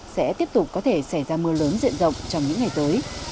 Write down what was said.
sẽ tiếp tục có thể xảy ra mưa lớn diện rộng trong những ngày tới